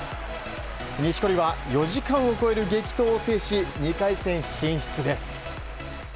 錦織は４時間を超える激闘を制し２回戦進出です。